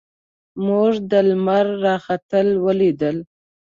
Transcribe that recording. موږ د لمر راختل ولیدل.